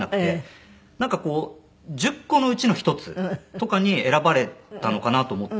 なんかこう１０個のうちの１つとかに選ばれたのかなと思って。